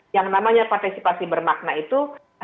yang namanya partisipasi bermakna itu